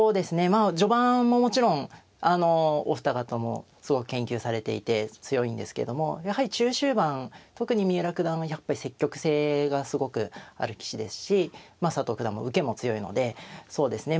まあ序盤はもちろんお二方もすごく研究されていて強いんですけどもやはり中終盤特に三浦九段のやっぱり積極性がすごくある棋士ですしまあ佐藤九段も受けも強いのでそうですね